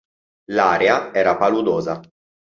L'area era paludosa.